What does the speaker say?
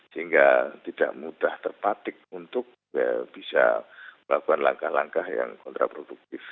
sehingga tidak mudah terpatik untuk bisa melakukan langkah langkah yang kontraproduktif